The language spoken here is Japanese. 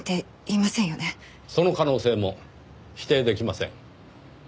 その可能性も否定できません。